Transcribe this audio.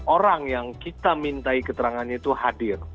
sepuluh orang yang kita minta keterangan itu hadir